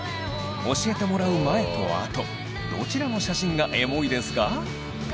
教えてもらう前と後どちらの写真がエモいですか？